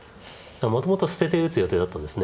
もともと捨てて打つ予定だったんですね。